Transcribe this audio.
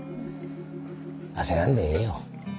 焦らんでええよ。